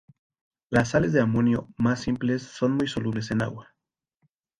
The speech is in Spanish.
Las sales de amonio más simples son muy solubles en agua.